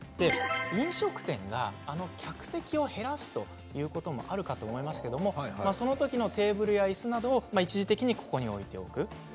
飲食店が客席を減らすということもあるかと思いますけれどもそのときのテーブルや、いすなどを一時的にここに置いておく。